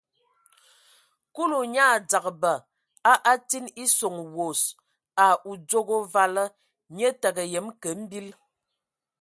Kulu nyaa dzabag, a atin eson wos, a udzogo vala, nye təgə yəm kə mbil.